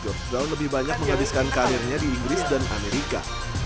job daun lebih banyak menghabiskan karirnya di inggris dan amerika